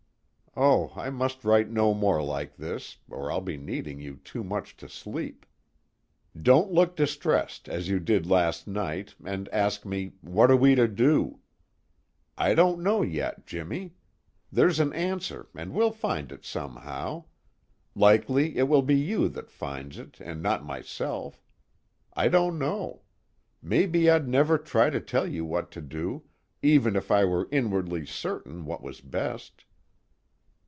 Oh, I must write no more like this, or I'll be needing you too much to sleep. "Don't look distressed, as you did last night, and ask me, what are we to do? I don't know yet, Jimmy. There's an answer and we'll find it somehow. Likely it will be you that finds it, and not myself. I don't know. Maybe I'd never try to tell you what to do, even if I were inwardly certain what was best.